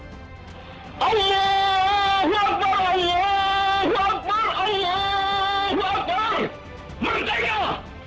ya allah ya allah ya allah ya allah berdeka